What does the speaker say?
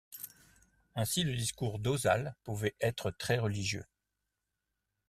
Ainsi le discours d’Özal pouvait être très religieux.